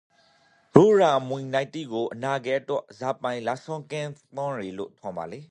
ရိုးရာအမွီအနှစ်တိကိုအနာဂတ်အတွက်ဇာပိုင်လက်ဆင့်ကမ်းသင့်ယေလို့ ထင်ပါလေ?